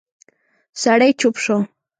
سړی چوپ شو.